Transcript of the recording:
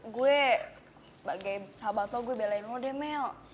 gue sebagai sahabat lo gue belain lo deh mel